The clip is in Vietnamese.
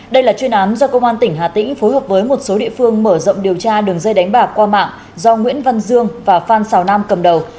đây là chuyên án do công an tỉnh hà tĩnh phối hợp với một số địa phương mở rộng điều tra đường dây đánh bạc qua mạng do nguyễn văn dương và phan xào nam cầm đầu